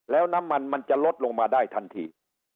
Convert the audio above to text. แล้วน้ำมันมันจะลดลงมาได้ทันที